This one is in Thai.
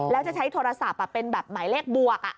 แล้วจะใช้โทรศัพท์เป็นแบบหมายเลขบวก